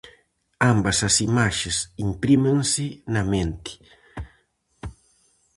Ambas as imaxes imprímense na mente.